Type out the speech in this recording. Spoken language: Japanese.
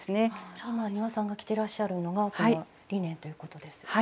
今丹羽さんが着てらっしゃるのがそのリネンということですよね。